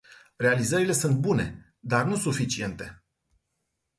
Realizările sunt bune, dar nu suficiente.